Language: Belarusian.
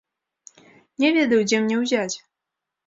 Не ведаю, дзе мне ўзяць.